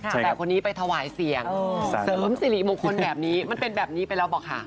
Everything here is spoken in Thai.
แต่คนนี้ไปถวายเสียงเสริมสิริมงคลแบบนี้มันเป็นแบบนี้ไปแล้วป่ะคะ